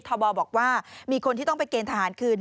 ทบบอกว่ามีคนที่ต้องไปเกณฑหารคืน